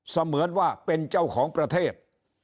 เสมือนว่าเป็นเจ้าของประเทศ